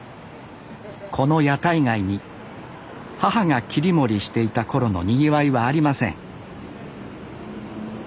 この屋台街に母が切り盛りしていた頃のにぎわいはありません